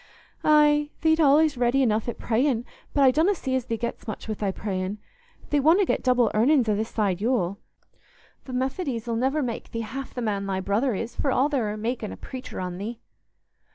"Aye, thee't allays ready enough at prayin', but I donna see as thee gets much wi' thy prayin'. Thee wotna get double earnin's o' this side Yule. Th' Methodies 'll niver make thee half the man thy brother is, for all they're a makin' a preacher on thee."